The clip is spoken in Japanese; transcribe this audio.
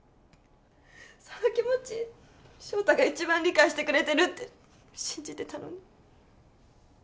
その気持ち翔太が一番理解してくれてるって信じてたのに。